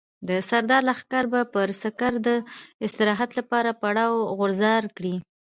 د سردار لښکر به پر سکر د استراحت لپاره پړاو غورځار کړي.